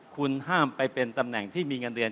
คุณห้ามไปเป็นตำแหน่งที่มีเงินเดือน